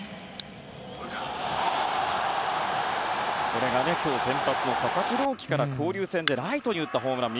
これが今日先発の佐々木朗希から交流戦でライトに打ったホームラン。